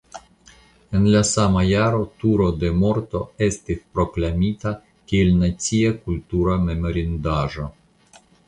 En la sama jaro Turo de morto estis proklamita kiel nacia kultura memorindaĵo.